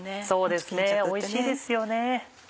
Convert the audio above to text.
そうですねおいしいですよね。